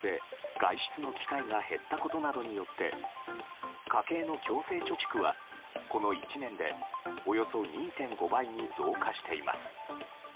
新型コロナの影響で外出の機会が減ったことなどによって家計の強制貯蓄は、この１年でおよそ２．５倍に増加しています。